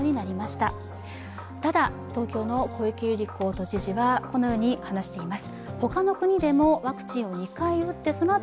ただ、東京の小池百合子と知事はこのように話しています。